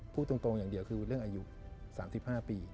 พูดตรงอย่างเดียวคือเรื่องอายุ๓๕ปี